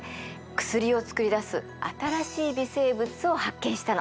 薬を作り出す新しい微生物を発見したの。